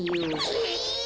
え！